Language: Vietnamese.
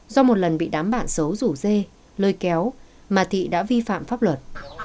do một lần bị đám bạ xấu rủ dê lôi kéo mà thị đã vi phạm pháp luật